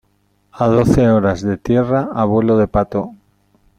a doce horas de tierra a vuelo de pato.